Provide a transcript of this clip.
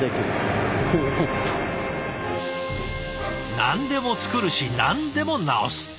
何でも作るし何でも直す。